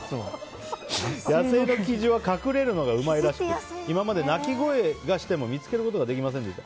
野生のキジは隠れるのがうまいらしく今まで、鳴き声がしても見つけることができませんでした。